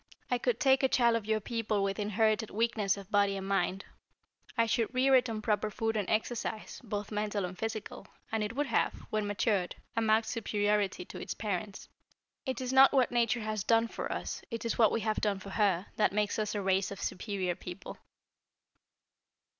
"I could take a child of your people with inherited weakness of body and mind. I should rear it on proper food and exercise both mental and physical and it would have, when matured, a marked superiority to its parents. It is not what Nature has done for us, it is what we have done for her, that makes us a race of superior people."